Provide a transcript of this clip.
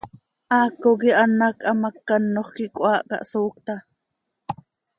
¡Haaco quih an hac hamác canoj quih cöhaahca, hsoocta!